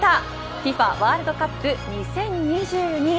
ＦＩＦＡワールドカップ２０２２